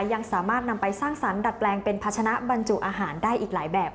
ยังสามารถนำไปสร้างสรรค์ดัดแปลงเป็นภาชนะบรรจุอาหารได้อีกหลายแบบ